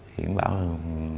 hiển bảo là